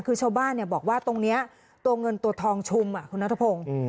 คือชาวบ้านบอกว่าตรงนี้ตัวเงินตัวทองชุมคุณนัทพงศ์